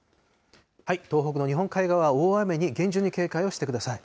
東北の日本海側は大雨に厳重に警戒をしてください。